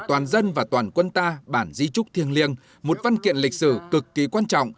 toàn dân và toàn quân ta bản di trúc thiêng liêng một văn kiện lịch sử cực kỳ quan trọng